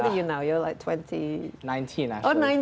berapa umur anda sekarang